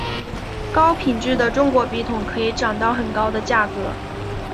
高品质的中国笔筒可以涨到很高的价格。